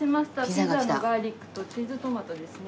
ピザのガーリックとチーズトマトですね。